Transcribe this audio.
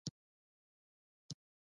زمري پټي ته له ځانه سره بیلچه راوړه.